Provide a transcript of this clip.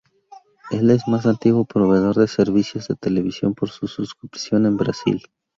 Es el más antiguo proveedor de servicios de televisión por suscripción en Brasil.